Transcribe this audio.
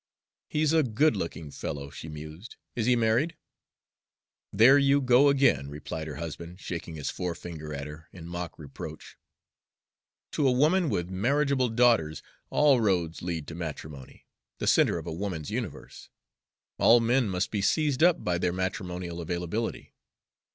"He's a good looking fellow," she mused. "Is he married?" "There you go again," replied her husband, shaking his forefinger at her in mock reproach. "To a woman with marriageable daughters all roads lead to matrimony, the centre of a woman's universe. All men must be sized up by their matrimonial availability.